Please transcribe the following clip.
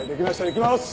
いきます！